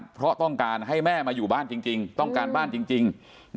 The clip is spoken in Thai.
เพราะต้องการให้แม่มาอยู่บ้านจริงต้องการบ้านจริง